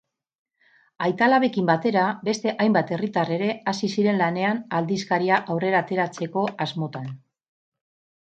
Aita-alabekin batera, beste hainbat herritar ere hasi ziren lanean aldizkaria aurrera ateratzeko asmotan.